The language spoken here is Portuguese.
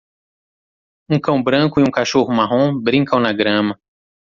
Um cão branco e um cachorro marrom brincam na grama